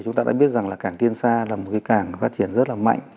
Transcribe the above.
chúng ta đã biết rằng là cảng tiên sa là một cái cảng phát triển rất là mạnh